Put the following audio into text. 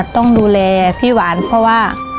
ต้องดูแลพี่หวานเพราะว่า